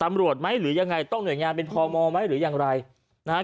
ไหมหรือยังไงต้องหน่วยงานเป็นพมไหมหรือยังไรนะฮะ